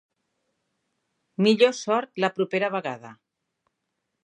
Millor sort la propera vegada!.